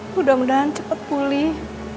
mudah mudahan cepat pulih